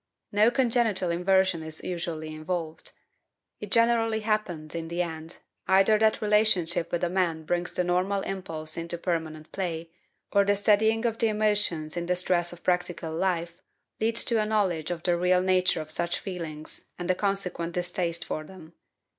No congenital inversion is usually involved. It generally happens, in the end, either that relationship with a man brings the normal impulse into permanent play, or the steadying of the emotions in the stress of practical life leads to a knowledge of the real nature of such feelings and a consequent distaste for them.